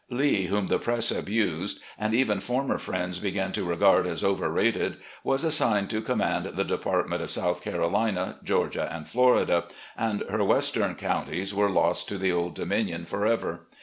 Lee, whom the press abused and even former friends began to regard as overrated, was assigned to command the Department of South Carolina, Georgia, and Florida; and her western counties were lost to the Old Dominion forever.